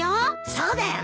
そうだよな。